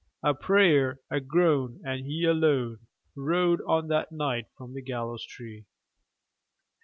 A prayer, a groan, and he alone Rode on that night from the gallows tree.